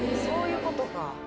そういうことか。